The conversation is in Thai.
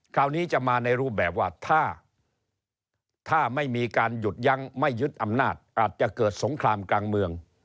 คราวนี้จะมาในรูปแบบว่าถ้าไม่มีการหยุดยั้งไม่ยึดอำนาจอาจจะเกิดสงครามกลางเมือง